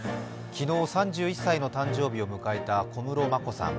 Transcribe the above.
昨日、３１歳の誕生日を迎えた小室眞子さん。